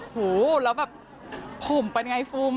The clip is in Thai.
หูแล้วแบบผมเป็นไงฟูม